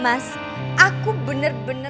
mas aku bener bener